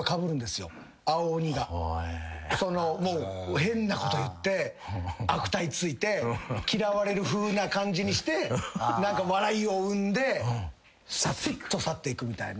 変なこと言って悪態ついて嫌われるふうな感じにして何か笑いを生んですっと去っていくみたいな。